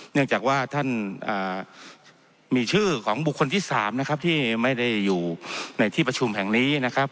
เนื่องจากว่าท่านมีชื่อของบุคคลที่๓นะครับที่ไม่ได้อยู่ในที่ประชุมแห่งนี้นะครับ